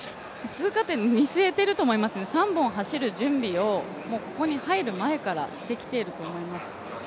通過点に見据えていると思いますね、３本走る準備をここに入る前からしてきていると思います。